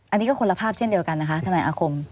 อันนี้คือคนละภาพเช่นเดียวกันถนัยอาคม